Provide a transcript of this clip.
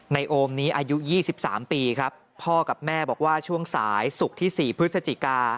โอมนี้อายุ๒๓ปีครับพ่อกับแม่บอกว่าช่วงสายศุกร์ที่๔พฤศจิกา